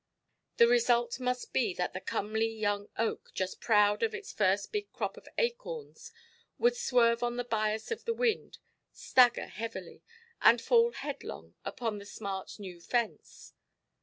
The result must be that the comely young oak, just proud of its first big crop of acorns, would swerve on the bias of the wind, stagger heavily, and fall headlong upon the smart new fence.